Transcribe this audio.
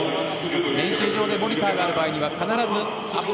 練習場でモニターがある場合は必ずアップ